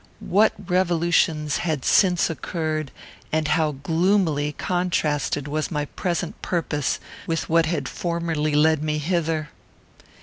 What revolutions had since occurred, and how gloomily contrasted was my present purpose with what had formerly led me hither!